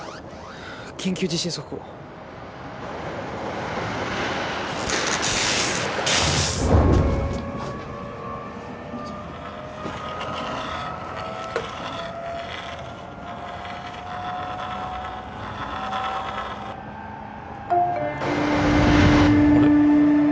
緊急地震速報あれ？